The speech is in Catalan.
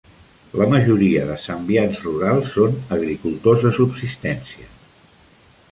La majoria de Zambians rurals són agricultors de subsistència.